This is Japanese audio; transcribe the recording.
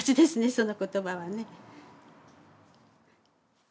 その言葉はね。